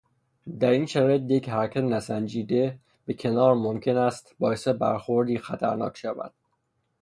در این شرایط یک حرکت نسنجیده به کنار ممکن است باعث برخوردی خطرناک شود.